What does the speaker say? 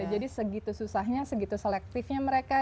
jadi segitu susahnya segitu selektifnya mereka